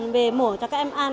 bề mổ cho các em ăn